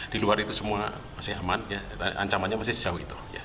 di luar itu semua masih aman ancamannya masih sejauh itu